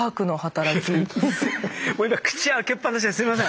もう今口開けっ放しですいません。